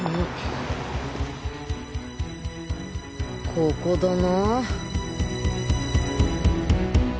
ここだな。